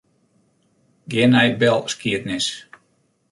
Gean nei belskiednis.